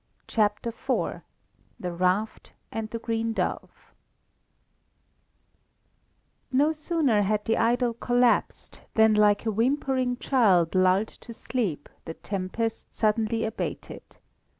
CHAPTER IV THE RAFT AND THE GREEN DOVE No sooner had the idol collapsed, than like a whimpering child lulled to sleep, the tempest suddenly abated.